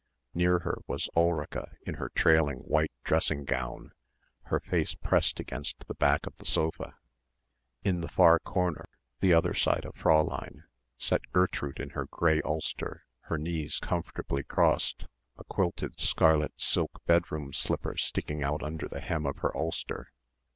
Near her was Ulrica in her trailing white dressing gown, her face pressed against the back of the sofa. In the far corner, the other side of Fräulein sat Gertrude in her grey ulster, her knees comfortably crossed, a quilted scarlet silk bedroom slipper sticking out under the hem of her ulster.